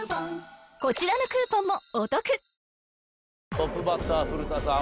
トップバッター古田さん